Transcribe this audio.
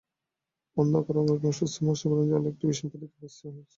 অন্ধকার অরণ্য এবং শুস্তার মসীবর্ণ জল একটি ভীষণ প্রতীক্ষায় স্থির হইয়া ছিল।